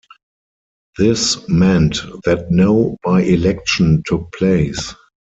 This meant that no by-election took place.